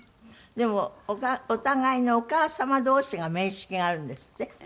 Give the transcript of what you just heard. でもお互いのお母様同士が面識があるんですって？